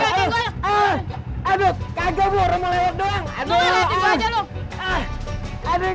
hai ah ah ah ah aduh aduh aduh aduh aduh aduh aduh aduh aduh aduh aduh aduh aduh aduh aduh aduh aduh